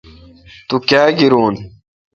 تو کاں گیرون۔